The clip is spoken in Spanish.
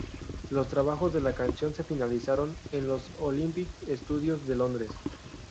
Los trabajos de la canción se finalizaron en los Olympic Studios de Londres.